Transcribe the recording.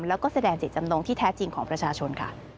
แล้วก็แสดงจิตจำนงที่แท้จริงของประชาชนค่ะ